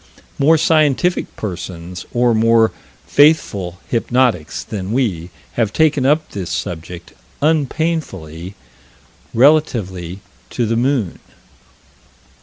More scientific persons, or more faithful hypnotics than we, have taken up this subject, unpainfully, relatively to the moon.